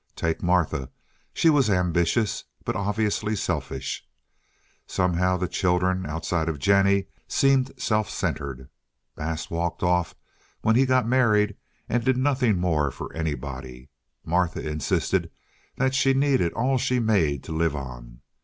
Take Martha—she was ambitious, but obviously selfish. Somehow the children, outside of Jennie, seemed self centered. Bass walked off when he got married, and did nothing more for anybody. Martha insisted that she needed all she made to live on.